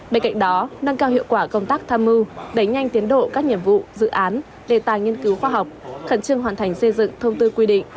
bên cạnh đó nâng cao hiệu quả công tác tham mưu đẩy nhanh tiến độ các nhiệm vụ dự án đề tài nghiên cứu khoa học khẩn trương hoàn thành xây dựng thông tư quy định